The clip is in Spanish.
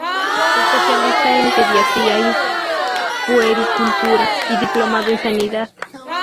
Especialista en pediatría y puericultura; y diplomado en sanidad.